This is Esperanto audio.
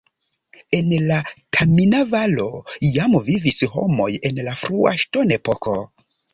En la Tamina-Valo jam vivis homoj en la frua ŝtonepoko.